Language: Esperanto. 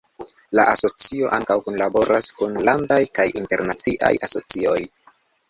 La asocio ankaŭ kunlaboras kun landaj kaj internaciaj asocioj.